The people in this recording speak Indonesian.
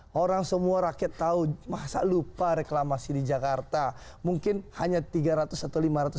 orang semua rakyat tahu masa lupa reklamasi di jakarta mungkin hanya tiga ratus atau lima ratus